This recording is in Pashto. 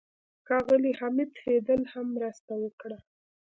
ښاغلي حمید فیدل هم مرسته وکړه.